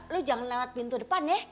lo jangan lewat pintu depan ya